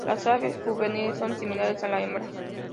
Las aves juveniles son similares a la hembra.